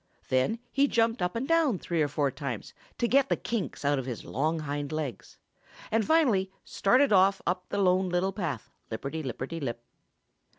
Then he jumped up and down three or four times to get the kinks out of his long hind legs, and finally started off up the Lone Little Path, lipperty lipperty lip.